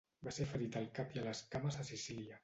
Va ser ferit al cap i a les cames a Sicília.